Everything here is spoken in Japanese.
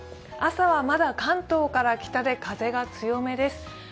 朝はまだ関東から北で風が強めです。